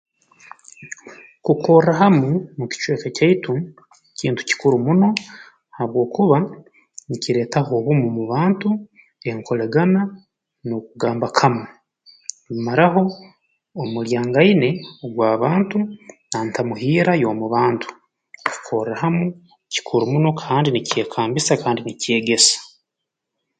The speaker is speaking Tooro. Kukorra hamu mu kicweka kyaitu kintu kikuru muno habwokuba nikireetaho obumu mu bantu enkolegana n'okugamba kamu kumaraho omulyangaine ogw'abantu na ntamuhiira y'omu bantu kukorra hamu kikuru muno kandi nikyekambisa kandi nikyegesa